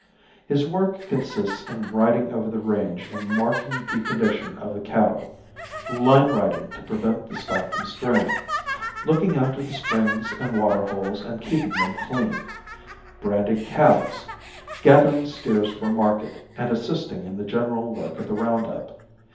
His work consists in riding over the range and marking the condition of the cattle; line riding to prevent the stock from straying; looking after the springs and water holes and keeping them clean; branding calves, gathering steers for market and assisting in the general work of the round up.